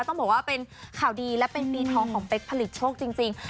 ต้องบอกว่าเป็นข่าวดีและเป็นปีทองของเป๊กผลิตโชคจริง